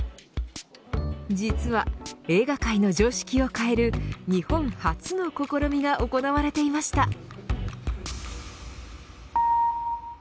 実は映画界の常識を変える日本初の試みが行われていました。